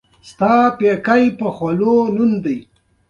بله دا چې موږ ته د دې موقعې په لاس راځي.